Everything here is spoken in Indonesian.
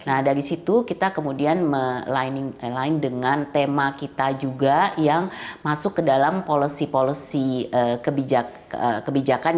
nah dari situ kita kemudian melaining dengan tema kita juga yang masuk ke dalam policy policy kebijakan